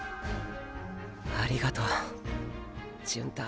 ありがとう純太。